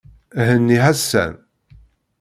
Henni Ḥasan.